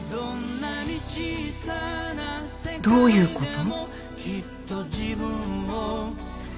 どういうこと？